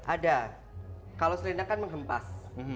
ada kalau selendang kan menghempas